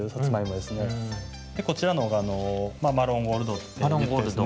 でこちらのほうが「マロンゴールド」っていってですね。